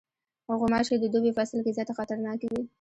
غوماشې د دوبی فصل کې زیاته خطرناکې وي.